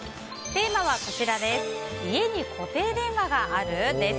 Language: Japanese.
テーマは家に固定電話がある？です。